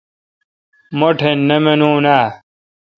مہ ٹھ نہ منون اہ؟